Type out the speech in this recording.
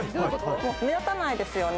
目立たないですよね？